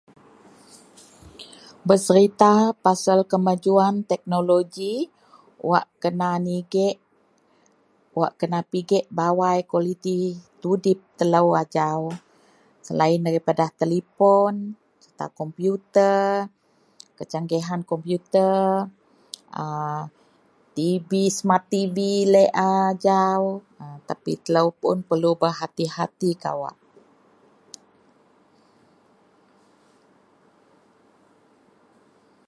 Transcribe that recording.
Peserita pasel kemajuwan teknoloji, wak kena nigek, wak kena pigek bawai kualiti tudip telou ajau selain daripada telipon sereta kompiuta, kecanggihan kompiuta a tv smat tv laei a ajau a tapi telou pun perelu berhati-hati kawak